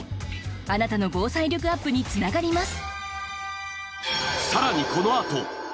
あなたの防災力アップにつながります